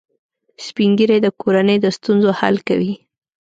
سپین ږیری د کورنۍ د ستونزو حل کوي